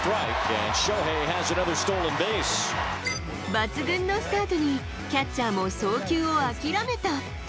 抜群のスタートに、キャッチャーも送球を諦めた。